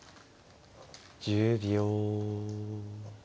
１０秒。